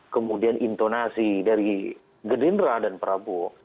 kemudian intonasi dari gerindra dan prabowo